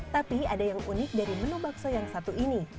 tapi ada yang unik dari menu bakso yang satu ini